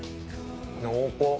濃厚。